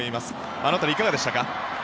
あの辺りいかがでしたか？